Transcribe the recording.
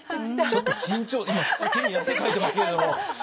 ちょっと緊張今手に汗かいてますけど。